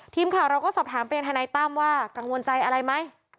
ทีมข่าวเราก็สอบถามไปยังทนายตั้มว่ากังวลใจอะไรไหม